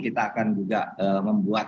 kita akan juga membuat